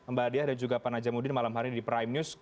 mbak diah dan juga pak najamudin malam hari ini di prime news